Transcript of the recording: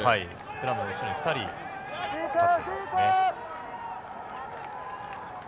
スクラムの後ろに２人いますね。